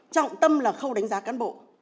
trọng tâm là khâu đánh giá cán bộ